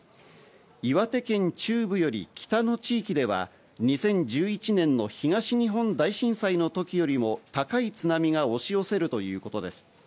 岩手県中部より北の地域では２０１１年の東日本大震災の時よりも高い津波が押し寄せるということです。